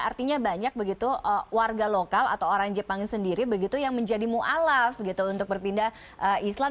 artinya banyak begitu warga lokal atau orang jepang sendiri begitu yang menjadi ⁇ mualaf ⁇ gitu untuk berpindah islam